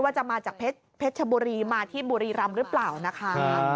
ว่าจะมาจากเพชรชบุรีมาที่บุรีรำหรือเปล่านะคะ